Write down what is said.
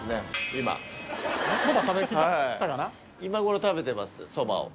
今頃食べてますそばを。